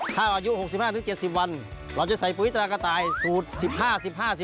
ถ้าอายุ๖๕๗๐วันเราจะใส่ปุ๋ยตรากระต่ายสูตร๑๕๑๕